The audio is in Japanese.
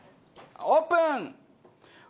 オープン！